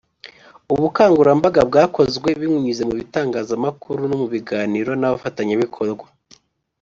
Ubukangurambaga bwakozwe binyuze mu bitangazamakuru no mu biganiro n abafatanyabikorwa